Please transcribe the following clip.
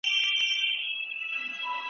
فکر وکړي چي ناروغ